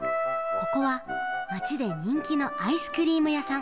ここはまちでにんきのアイスクリームやさん